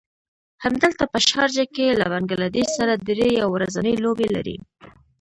همدلته په شارجه کې له بنګله دېش سره دری يو ورځنۍ لوبې لري.